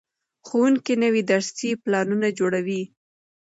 ښوونکي نوي درسي پلانونه جوړوي.